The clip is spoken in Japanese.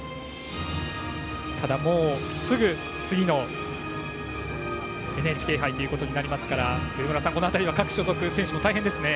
ただ、もうすぐ次のＮＨＫ杯ということになりますから上村さん、この辺りは各所属の選手たちも大変ですね。